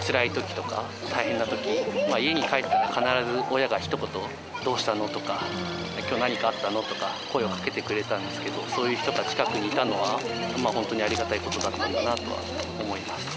つらいときとか、大変なとき、家に帰ったら必ず親がひと言、どうしたの？とか、きょう何かあったの？とか、声をかけてくれたんですけど、そういう人が近くにいたのは、本当にありがたいことだったんだなとは思います。